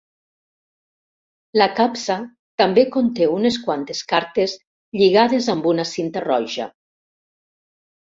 La capsa també conté unes quantes cartes lligades amb una cinta roja.